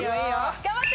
頑張って！